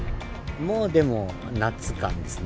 もうでも、夏ですね。